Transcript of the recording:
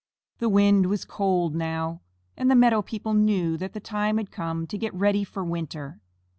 The wind was cold now, and the meadow people knew that the time had come to get ready for winter.